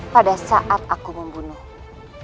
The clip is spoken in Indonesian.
pada saat aku membunuhmu